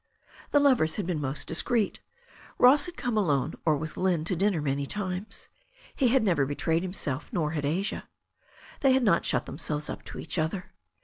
The lovers had been most discreet. Ross had come alone or with Lynne to dinner many times. He had never be trayed himself, nor had Asia. They had not shut them selves up to each other.